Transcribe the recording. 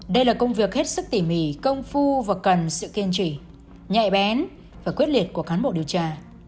đây là công việc hết sức tỉ mỉ công phu và cần sự kiên trì nhạy bén và quyết liệt của cán bộ điều tra